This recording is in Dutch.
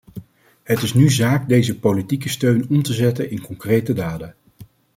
Het is nu zaak deze politieke steun om te zetten in concrete daden.